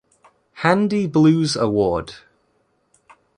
Handy Blues Award.